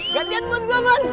gat gat bun gua bun